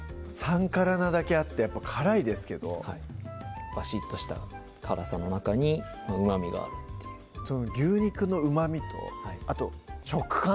３辛なだけあって辛いですけどバシッとした辛さの中にうまみがあるっていう牛肉のうまみとあと食感？